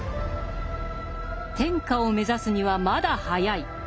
天下を目指すにはまだ早い。